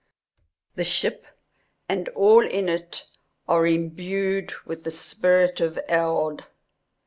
The ship and all in it are imbued with the spirit of Eld.